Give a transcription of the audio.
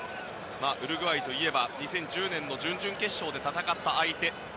ウルグアイといえば２０１０年の準々決勝で戦った相手。